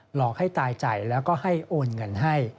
หลอกให้ตายใจแล้วก็ให้โอนเงินให้